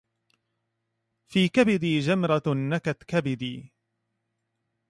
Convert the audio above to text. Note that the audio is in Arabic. في كبدي جمرة نكت كبدي